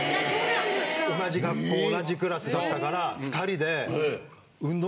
・同じ学校同じクラスだったから。え！